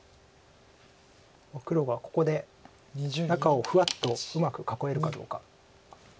黒がここで中をふわっとうまく囲えるかどうか。